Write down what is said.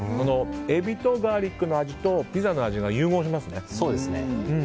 エビとガーリックの味とピザの味が融合しますね。